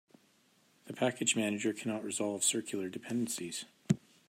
The package manager cannot resolve circular dependencies.